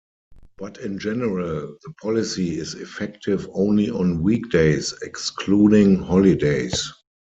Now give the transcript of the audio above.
But in general, the policy is effective only on weekdays, excluding holidays.